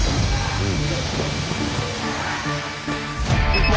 うん。